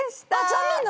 残念なの？